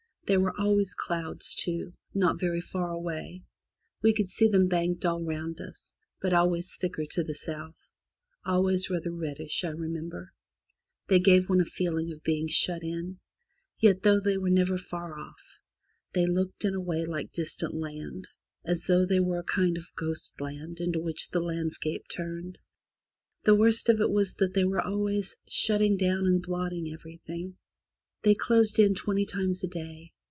There were always clouds, too, not very far away. We would see them banked all round us, but always thicker to the south — always rather reddish, I remember. They gave one a feeling of being shut in. Yet, though they were never far off, they looked in a way like distant land — as though they were a kind of ghost land into which the landscape turned. The worst of it was that they were always shutting down and blotting everything. They closed in twenty times a day.